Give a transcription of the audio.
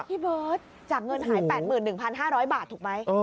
พี่เบิร์ตจากเงินหาย๘๑๕๐๐บาทถูกไหม